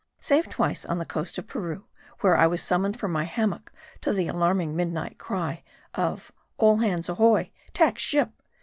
Save twice on the coast of Peru, where I was summoned from my hammock to the alarming midnight cry of " All hands ahoy ! tack ship